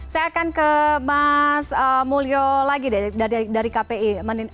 saya akan ke mas mulyo lagi deh dari kpi